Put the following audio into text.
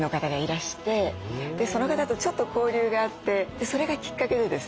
でその方とちょっと交流があってそれがきっかけでですね